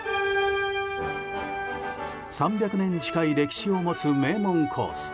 ３００年に近い歴史を持つ名門コース